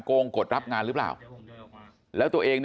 มันต้องการมาหาเรื่องมันจะมาแทงนะ